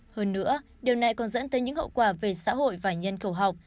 hơn nữa điều này còn dẫn tới những hậu quả về xã hội và nhân khẩu học